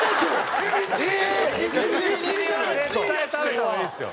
絶対食べた方がいいですよ。